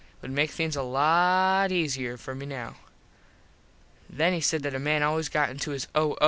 It would make things a lot easier for me now. Then he said that a man always got into his O.